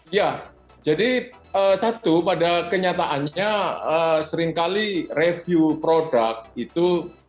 ya jadi satu pada kenyataannya seringkali review produk itu